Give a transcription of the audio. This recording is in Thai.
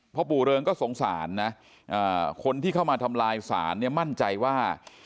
พ่อปู่เริงก็สงสารนะคนที่เข้ามาทำลายศาลเนี่ยมั่นใจว่า